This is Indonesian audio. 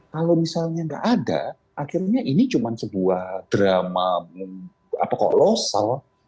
kalau misalnya nggak ada akhirnya ini cuma sebuah drama kolosal